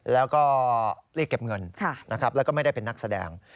แล้วก็รีบเก็บเงินแล้วก็ไม่ได้เป็นนักแสดง